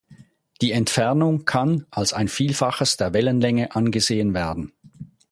Die Entfernung kann als ein Vielfaches der Wellenlänge angesehen werden.